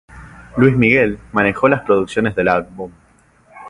Luis Miguel manejó las producciones del álbum.